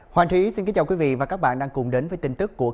hoàng thúy xin kính chào quý vị và các bạn đang cùng đến với tin tức